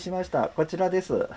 こちらです。